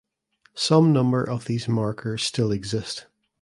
Some number of these markers still exist.